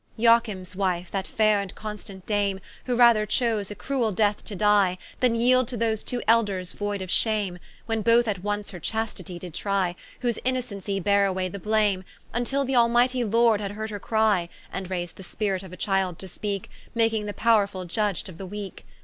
Ioachims wife, that faire and constant Dame, Who rather chose a cruel death to die, Than yeeld to those two Elders voide of shame, When both at once her chastitie did trie, Whose Innocencie bare away the blame, Vntill th'Almighty Lord had heard her crie; And rais'd the spirit of a Child to speake, Making the powrefull judged of the weake.